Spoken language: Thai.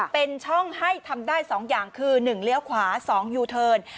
เป็นช่องให้ทำได้๒อย่างคือ๑เลี้ยวขวา๒ยูเทิร์น